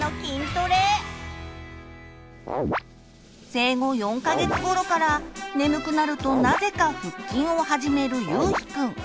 生後４か月ごろから眠くなるとなぜか腹筋を始めるゆうひくん。